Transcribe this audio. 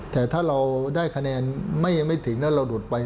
แต่ถ้าเราได้คะแนนไม่ถึงแล้วเราหลุดไป